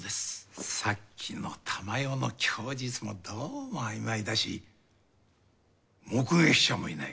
さっきの珠世の供述もどうも曖昧だし目撃者もいない。